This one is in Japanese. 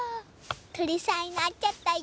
とりさんになっちゃったよ！